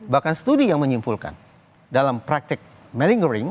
bahkan studi yang menyimpulkan dalam praktek melingering